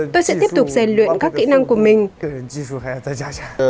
tôi sẽ tiếp tục rèn luyện các kỹ năng của mình